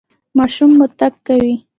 ماشوم مو تګ کوي؟